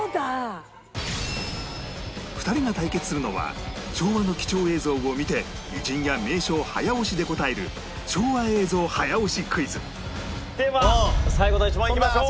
２人が対決するのは昭和の貴重映像を見て偉人や名所を早押しで答える昭和映像早押しクイズでは最後の１問いきましょう。